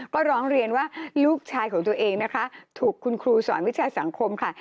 ก็ร้องเรียนว่าลูกชายของตัวเองนะคะถูกคุณครูสอนวิชาสังคมค่ะ